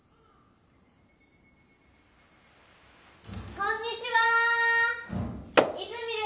・・こんにちはー。